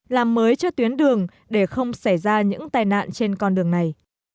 làm mới cho tuyến đường để không xảy ra những tai nạn trên con đường này